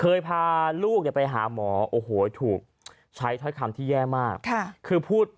เคยพาลูกเนี้ยไปหาหมอโอ้โหถูกใช้คำที่แย่มากค่ะคือพูด